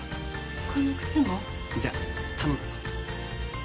この靴も？じゃあ頼んだぞ。